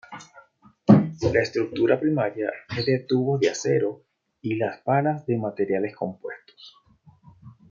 La estructura primaria es de tubos de acero y las palas de materiales compuestos.